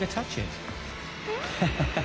ハハハハ！